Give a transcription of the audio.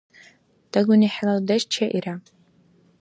Даг нуни хӀела дудеш чеира.